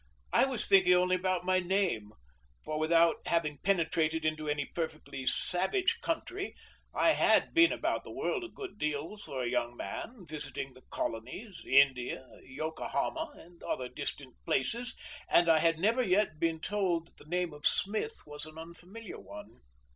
I was thinking only about my name; for without having penetrated into any perfectly savage country, I had been about the world a great deal for a young man, visiting the Colonies, India, Yokohama, and other distant places, and I had never yet been told that the name of Smith was an unfamiliar one.